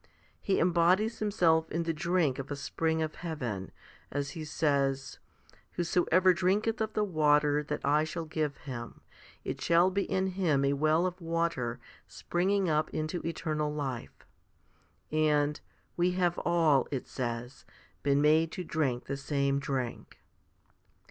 5 He embodies Himself in the drink of a spring of heaven, as He says, Whosoever drinketh of the water that I shall give him, it shall be in him a well of water springing up into eternal life, 6 and We have all, it says, been made to drink the same drink.